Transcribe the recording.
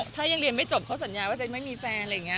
ถ้ายังเรียนไม่จบเขาสัญญาว่าจะไม่มีแฟน